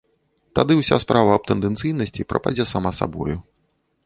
Тады ўся справа аб тэндэнцыйнасці прападзе сама сабою.